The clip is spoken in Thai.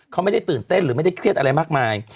เขาไม่ได้ตื่นเต้นหรือไม่ได้เครียดอะไรมากมาย